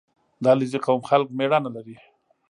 • د علیزي قوم خلک مېړانه لري.